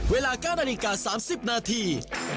เวลา๙นาฬิกา๓๐นาที